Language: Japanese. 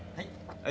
はい。